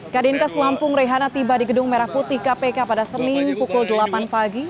kadinkes lampung rehana tiba di gedung merah putih kpk pada senin pukul delapan pagi